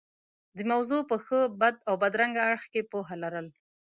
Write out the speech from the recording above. د موضوع په ښه، بد او بدرنګه اړخ کې پوهه لرل.